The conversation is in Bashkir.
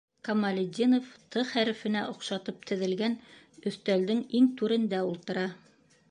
Камалетдинов «Т» хәрефенә оҡшатып теҙелгән өҫтәлдең иң түрендә ултыра.